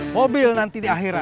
mobil nanti di akhiran